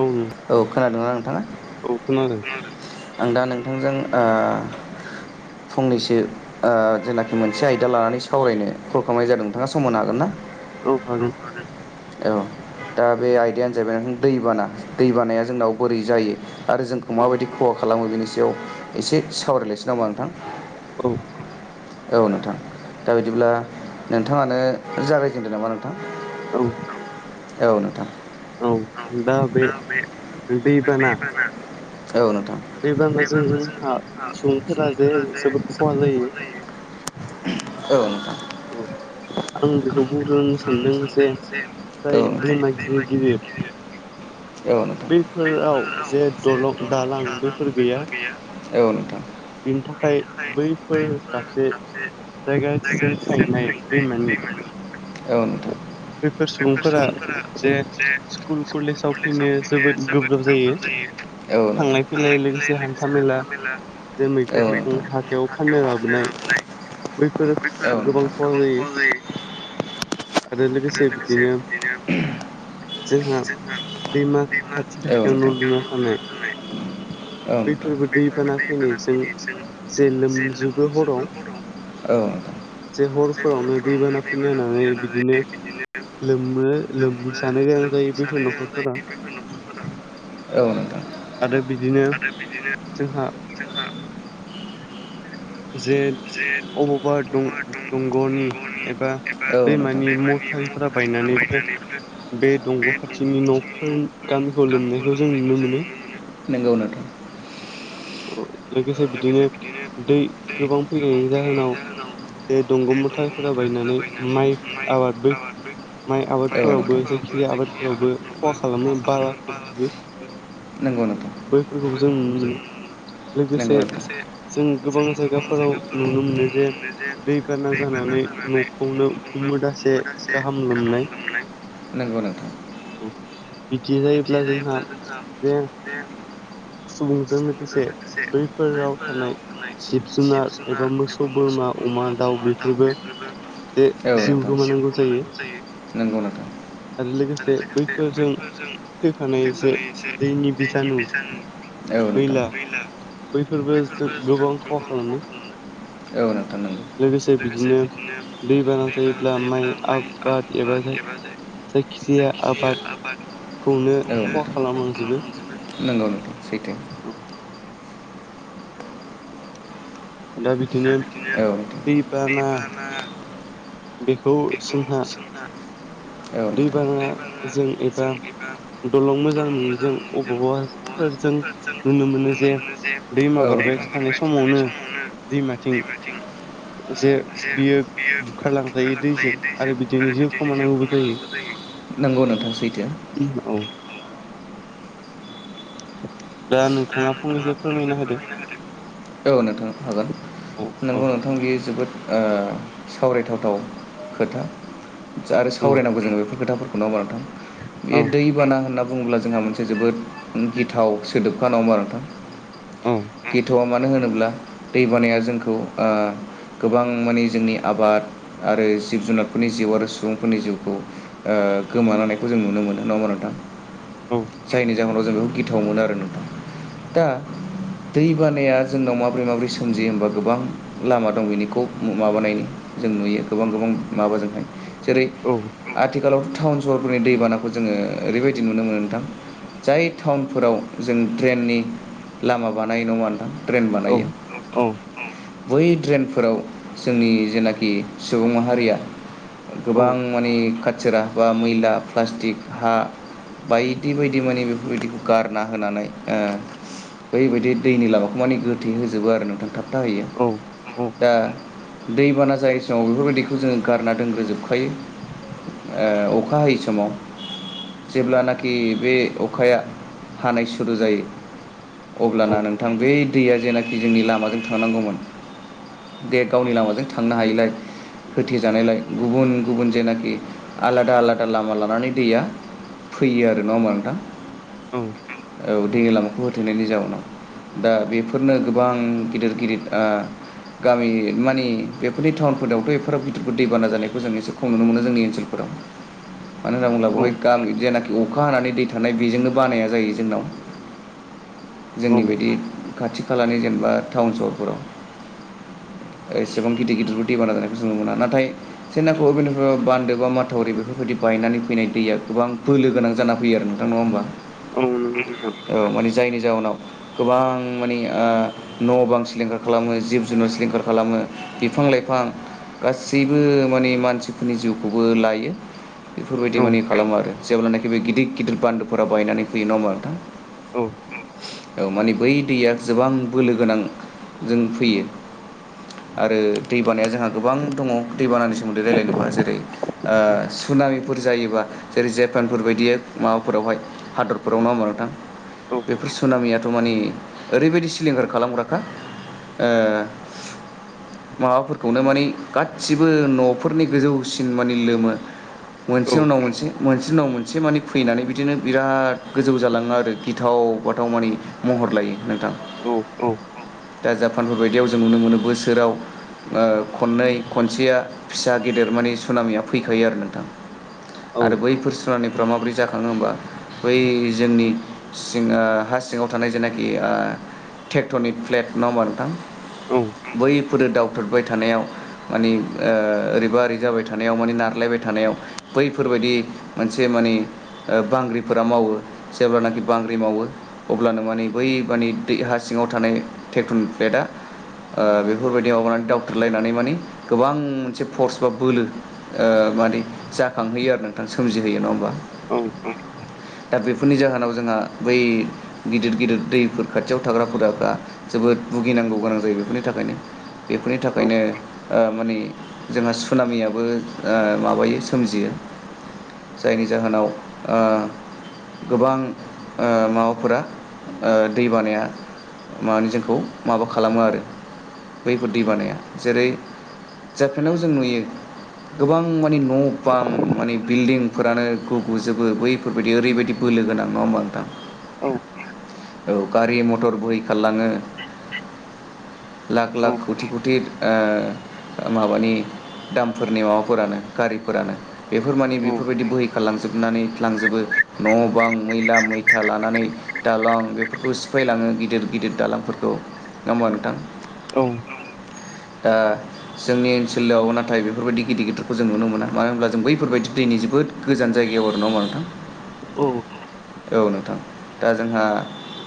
औ नों औ खोनादोंना नोंथाङा ओ खोनादों आं दा नोंथांजों ओ फंनैसो ओ जेनाखि मोनसे आयदा लानानै सावरायनो कल खालामनाय जादों नोंथाङा सम होनो हागोनना औ हागोन औ दा बे आयदायानो जाहैबाय दैबाना दैबानाया जोंनाव बोरै जायो आरो जोंखौ औ माबायदि खहा खालामो बेनि सायाव एसे सावरायलायनोसै नामा नोंथां औ औ नोंथां दा बिदिब्ला नोंथाङानो जागायजेनदो नामा नोंथां औ औ नोंथां औ दा बे ओ दैबाना। औ नोंथां दैबानाजों जोंहा सुबुंफोरा जे जोबोद खहा जायो औ नोंथां औ आं बेखौ बुंग्रोनो सानदों जे औ फ्राय नोंथां दैमा गिदिर गिदिर औ नोंथां बैफोराव जे दलं दालां बैफोर गैया [unintelligible] औ नोंथां बेनि थाखाय बैफोर दाबसे जायगासिम जायगानिसिम थांनाय दैमा [unintelligible] बेफोर सुबुंफोरा जे स्कुल कलेजाव फैनो जोबोद गोब्राब जायो नोंथां थांलाय फैलाय लोगोसे हान्था मेला जों औ मैगं थाइगं हाथायाव फाननो लाबोनाय बैफोर गोबां खहा जायो आरो लोगोसे बिदिनो जोंहा दैमा खाथि खाथियाव न' लुना थानाय [inaudible] बैफोरबो दैबाना ओं फैनायजों नोंथां जे [unintelligible] लोमजोबो हराव औ नोंथां जे हरफोरावनो दैबाना फैना होनानै बिदिनो लोमनो लोम जानो गोनां जायो बैफोर न'खरफोरा औ नोंथां। आरो बिदिनो आरो बिदिनो जोंहा जोंहा जे। अबावबा दं दंग'नि एबा दैमानि मुथारिफोरा बायनानै बायनानैबो। बे दंग' खाथिनि न'फोर गामिखौ लोमनायखौ जों नुनो मोनो। नोंगौ नोंथां। अ लोगोसे बिदिनो दै गोबां फैनायनि जाहोनाव जे दंग' मथारिफोरा बायनानै माइ आबादबो माइ आबादफोरावबो जायखि आबादफोरावबो खहा खालामो बाला फबजोबो। नंगौ नोंथां बैफोरखौबो जों नुनो मोनो। लोगोसे नोंगौ। [unintelligible] गोबां जायगाफोराव नुनो मोनो जे दैबाना दै बाना जानानै नखौनो उखुमोदासे मोनासै गाहाम लोमनाय [unintelligible] नंगौ नोंथां। बिदि जायोब्ला जोंहा जे सुबुंजों लोगोसे बैफोराव थानाय जिब जुनार एबा मोसौ बोरमा अमा दाउ बेफोरबो जे जिउ गो नंगौ नोंथां। आरो लोगोसे बयबो जों फैफानाय एसे दैनि बेस औ नोंथां। मैला बैफोरबो जों गोबां खहा खालामो। ओ लोगोसे नोंथां बिदिनो औ। दैबाना बाद जायोब्ला माइ गैयाबा आबाद एबा जेरै जाय जायखि जायखिजाया जाया आबाद। आबादखौनो ओ खहा खालामलांजोबो [unintelligible] नंगौ। नोंथां सैथो। दा बिदिनो [unintelligible] औ [unintelligible] दैबाना बेखौ सोंना औ [unintelligible] ल' दैबानाजों एबा दलं मोजां नङिजों मोनो जों बहा अबावबाफोर जों फोरजों नुनो नुनो मोनो जे दैमा नाहरबाय थानाय समावनो दैमाथिं जे बियो [inaudible] बुखारलांजायो दैजों आरो बिदिनो जिउ खोमानांगौबो जायो नंगौ नोंथां सैथो। औ [inaudible] दा नोंथाङा फंनैसो फोरमायना हो दो। औ नोंथां हागोन। औ औ नोंगौ नोंथां बियो जोबोद ओ सावरायथावथाव खोथा आरो औ सावरायनांगौ जोङो बेफोर खोथाफोरखौ। नङा होमबा नोंथां। बे औ दैबाना होनना बुङोब्ला जोंहा मोनसे जोबोद गिथाव सोदोबखानाव माराथां गिथ'आव। मानो होनोब्ला दै बानाया जोंखौ आ। गोबां मानि जोंनि आबाद, आरो जिब-जुनारफोरनि जिउ आरो सुबुंफोरनि जिउखौ ओ। ओ गोमानायखौ जों नुनो मोनो नङामा नोंथां औ जायनि जाहोनाव जों गिथाव मोनो आरो। दा। दै बानाया जोंनाव माब्रै माबोरै सोमजियो होनोमबा गोबां लामा दं बेनिखौ माबानायनि। जों नुयो गोबां गोबां माबाजोंहाय जेरै आथिखालाव। टाउन- सहरफोरनि दैबानाखौ जोङो ओरैबायदि नुनो मोनो नोंथां जाय टाउनफोराव। जों ड्रेननि लामा, बानायो नङा नोंथां ड्रेन औ बानायो। औ बै ड्रेनफोराव जोंनि जेनाखि सुबुं माहारिया। औ गोबां माने खाथि। सोराबा मैला, प्लास्टिक, हा, बायदि बायदि माने बेफोरबायदि खौ गार। ना, होनानै आ बैबायदि दैनि लामाखौ मानि गोथै होजोबो आरो नोंथां थां। हेंथाहयो औ औ दा। दैबाना जायै समाव बेफोरबायदिखौ जोङो गारना दोनग्रोजोबखायो। ओ अखा हायै समाव जेब्लानाखि बे अखाया। हानाय सुरु जायो अब्लाना नोंथां बे। दैया जेनाखि जोंनि लामाजों थानांगौमोन दे गावनि लामाजों थांनो हायिलाय। होथेजानायलाय गुबुन, गुबुन जेनाखि आलादा, आलादा लामा लानानै दैया। फैयो आरो नाङा होमबा नोंथां औ दै लामाखौ होथेनायनि जाउनाव। दा बेफोरनो गोबां गिदिर गिदिर आ। गामि मानि बेफोरनि टाउनफोरावथ' एफोरो मथुपुर दैबाना जानायखौ जों एसे खम नुनो मोनो जोंनि ओनसोलफोराव। [unintelligible] मानो होनना बुब्ला औ बेवहाय गामि जेनाखि अखा हानानै दै थानाय बेजोंनो बानाया जायो जोंनाव। औ जोंनि बायदि खाथि-खालानि जेनेबा टाउन सहरफोराव। एसेबां गिदिर गिदिरफोर दैबाना जानायखौ जों मोना नाथाय सोनाफु गोनोखो बान्दो, बा माथावरि बेफोरबायदि। बायनानै फैनाय दैया गोबां बोलो गोनां जाना फैयो आरो नोंथां नङा होमबा। औ नंगौ नोथां। औ माने जायनि जाहोनाव गोबां मानि न' बां सिलिंखार खालामो जिब, जुनार, सिलिंखार खालामो। बिफां-लाइफां गासैबो माने मानसिफोरनि जिउखौबो लायो। बेफोरबायदि औ मानि खालामो आरो जेब्लानाखि बे गिदिर, गिदिर बान्दोफोरा बायनानै फैयो नङा होमबा नोंथां। औ माने बै दैया। गोबां बोलो गोनां जों फैयो। आरो दैबानाया जोंहा गोबां दङ दैबानानि सोमोन्दै रायज्लायनोब जेरै आ। सुनामिफोर जायोबा जेरै जापानफोर बायदियै माबाफोरावहाय हादरफोराव नङा होमबा नोंथां। औ बेफोर सुनामियाथ' मानि ओरैबायदि सिलिंखार खालामग्राखा। ओ। माबाफोरखौनो माने गासिबो न'फोरनि गोजौसिन माने लोमो। औ मोनसे उनाव मोनसे, मोनसे उनाव माने फैनानै बिदिनो। बिराद गोजौ जालाङो आरो गिथाव, बाथाव माने महर लायो नोंथां। औ औ। दा जापानफोरबायदियाव जों नुनो मोनो बोसोराव ओ खननै खनसेया फिसा, गेदेर। मानि सुनामिया फैखायो आरो नोंथां आरो बैफोर सुनामिफ्रा माबोरै जाखाङो होमबा। बै जोंनि सिङा हा सिङाव थानाय जेनाखि आ ट्रेक्टरनि प्लेट नङा होनबा नोंथां औ बैफोरो दावथ्रोदबाय थानायाव मानि ओ ओरैबा ओरै जाबाय थानायाव मानि नारलायबाय थानायाव बैफोरबायदि मोनसे मानि ओ बांग्रि फोरा मावो जेब्लानाखि बांग्रि मावो अब्लानो माने बै मानि दै हा सिङाव थानाय ट्रेक्टरन बेटआ ओ बेफोरबायदि माबानानै दावथ्रोदलायनानै मानि गोबां मोनसे फर्स बा बोलो ओ मानि जाखांहोयो आरो नोंथां सोमजिहोयो नङा होमबा। औ औ। दा बेफोरनि जाहोनाव जोंहा बै गिदिर गिदिर दैफोर खाथियाव थाग्राफोराफ्रा दा जोब बोद भुगिनांगौ गोनां जायो बेफोरनि थाखायनो। बेफोरनि थाखायनो ओ मानि जोंहा सुनामियाबो ओ माबायो सोमजियो। जायनि जाहोनाव आ गोबां ओ माबाफोरा ओ दै बानाया मानि जोंखौ माबा खालामो आरो बैफोर दै बानाया जेरै जापेन्डआव जों नुयो। गोबां माने न' बां माने बिल्डिंफोरानो गुगुजोबो बैफोर बेफोरबादि ओरैबायदि बोलो गोनां नङा होनबा नोंथां। औ। औ गारि मथर बहैखारलाङो लाख लाख खौथि खौथि ओ माबानि दामफोरनि माबाफोरानो गारिफोरानो बेफोर मानि बेफोरबादि बोहैखारलांजोबनानै लांजो जोबो न' बां मैला मैथा लानानै दालां बेफोरखौ सिफायलाङो गिदिर गिदिर दालांफोरखौ [unintelligible] होनबा नोंथां दा जोंनि ओनसोलाव नाथाय बेफोरबायदि गिदिर गिदिरखौ जों नुनो मोना मानो होनब्ला जों बैफोरबायदि दैनि जिउ जोबोद गोजान जायगायाव आरो नंङा होनबा नोंथां औ औ नोंथां दा जोंहा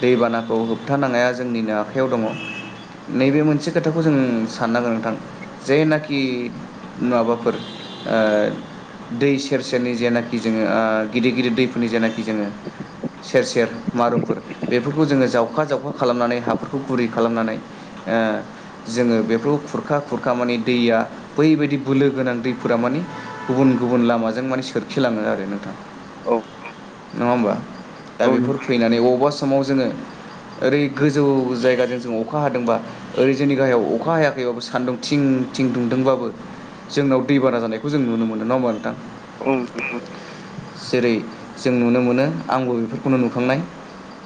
दैबानाखौ होबथानांनाया जोंनिनो आखायाव दङ नैबे मोनसे खोथाखौ जोङो साननांगोन नोंथां जेनाखि माबाफोर आ दै सेर सेरनि जेनाखि जोङो आ गिदिर गिदिर दैफोरनि जेनाखि जोङो सेर सेर मारुमफोर बेफोरखौ जोङो जावखा जावखा खालामनानै हाफोरखौ गुरै खालामनानै एह जोङो बेफोराव खुरखा खुरखा माने दैया बैबायदि बोलो गोनां दैफोरा माने गुबुन गुबुन लामाजों माने सोरखिलाङो आरो नोंथां नङा होमबा दा औ बेफोर नंगौ फैनानै अबावबा समाव जोङो ओरै गोजौ जायगाजों जों अखा हादोंबा ओरै जोंनि गाहायाव अखा हायाखैबाबो सान्दुं थिं थिं दुंदोंबाबो जोंनाव दैबाना जानायखौ जों नुनो मोनो नङा होमबा नोंथां औ जेरै जों नुनो मोनो आंबो बेफोरखौनो नुखांनाय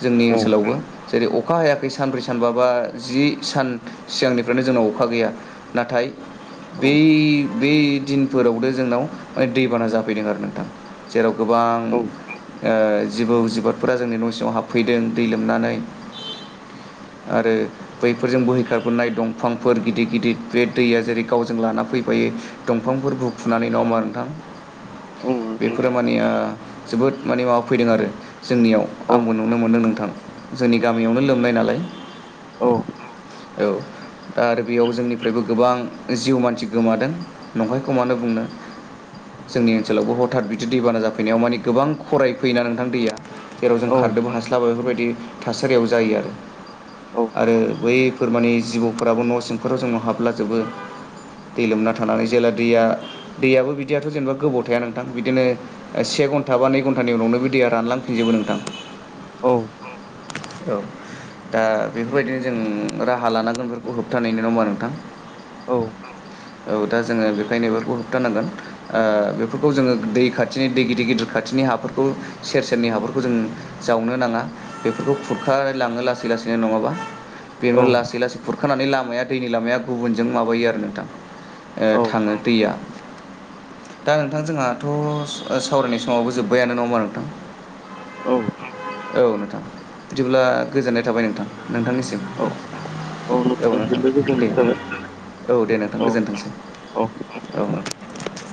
जोंनि औ ओनसोलावबो जेरै अखा हायाखै सानब्रै सानबाबा जि सान सिगांनिफ्रायनो जोंनाव अखा गैया नाथाय [inaudible] औ बे बे दिनफोराव जोंनाव दैबाना जाफैदों आरो नोंथां जेराव गोबां औ ओ जिबौ जिबारफोरा जोंनि न' सिङाव हाबफैदों दै लोमनानै आरो बैफोरजों बोहैखारबोनाय दंफांफोर गिदिर गिदिर बे दैया जेरै गावजों लाना फैफायो दंफांफोर बुखुनानै नङा होनबा नोंथां औ फोरा मानिया जोबोद माने माबा फैदों आरो जोंनियाव आंबो नुनो मोनदों नोंथां जोंनि गामियावनो लोमनाय नालाय औ दा आरो बेयाव जोंनिफ्रायबो गोबां जिउ मानसि गोमादों नंखायखौ मानो बुंनो जोंनि ओनसोलावबो हथात बिदि दैबाना जाफैनायाव माने गोबां खराय फैयोना नोंथां दैया जेराव जों औ खारदोंबो हास्लाबा बेफोरबायदि थासारियाव जायो आरो औ आरो बैफोरमानि जिबौफोराबो न' सिंफोराव जोंनाव हाबलाजोबो दै लोमना थानानै जेब्ला दैया दैयाबो बिदियाथ' जेनेबा गोबाव थाया नों थां बिदिनो से घन्टा बा नै घन्टानि उनावनो बि दैया रानलांफिजोबो नोंथां औ औ दा बेफोरबायदिनो जों राहा लानांगोंन बेफोरखौ होबथानायनि नङा होमबा नोंथां औ औ दा जोङो बेखायनो बेफोरखौ होबथानांगोन ओ बेफोरखौ जोङो दै खाथिनि दै गिदिर गिदिर खाथिनि हाफोरखौ सेर सेरनि हाफोरखौ जों जावनो नाङा बेफोरखौ खुरखानानै लाङो लासै लासैनो नङाबा औ बेवनो लासै लासै खुरखानानै लामाया दैनि लामाया गुबुनजों माबायो आरो नोंथां ओ औ थाङो दैया दा नोंथां जोंहाथ' सावरायनाय समावबो जोब्बायानो नङा होमबा नोंथां औ - औ नोंथां बिदिब्ला गोजोननाय थाबाय नोंथां नोंथांनिसिम औ औ नोंथां नोंथांनिसिमबो दे गोजोननाय थाबाय औ दे नोंथां औ गोजोनथोंसै औ औ नोंथां